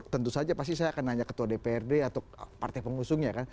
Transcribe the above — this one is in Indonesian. tentu saja pasti saya akan nanya ketua dprd atau partai pengusungnya kan